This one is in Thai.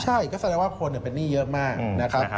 ใช่ก็แสดงว่าคนเป็นหนี้เยอะมากนะครับ